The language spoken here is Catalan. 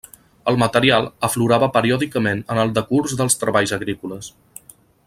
El material aflorava periòdicament en el decurs dels treballs agrícoles.